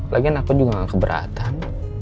lagian aku juga gak keberatan